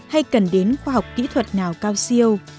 hay cần đến khoa học kỹ thuật nào cao siêu